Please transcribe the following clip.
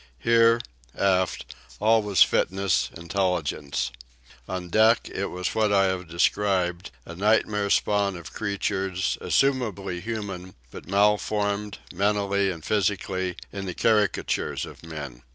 Here, aft, all was fitness, intelligence. On deck it was what I have described—a nightmare spawn of creatures, assumably human, but malformed, mentally and physically, into caricatures of men.